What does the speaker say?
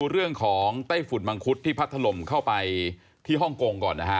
เรื่องของไต้ฝุ่นมังคุดที่พัดถล่มเข้าไปที่ฮ่องกงก่อนนะฮะ